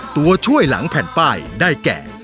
ตัวช่วยหลังแผ่นป้ายได้แก่